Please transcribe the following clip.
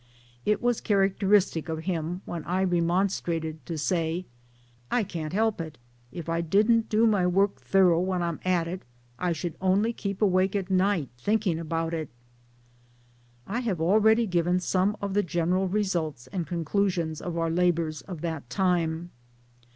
It was characteristic of him when I remon strated, to say :" I can't help it if I didn't do my work thorough when I'm at it, I should only keep awake at night thinking about it." I have already, given some of the general results and conclusions of our labours of that time.